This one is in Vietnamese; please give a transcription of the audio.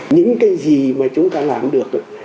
những cái gì mà chúng ta làm được